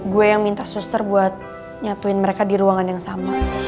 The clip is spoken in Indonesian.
gue yang minta suster buat nyatuin mereka di ruangan yang sama